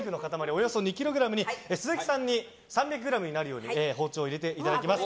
およそ２ｋｇに鈴木さんに３００ｇになるように包丁を入れていただきます。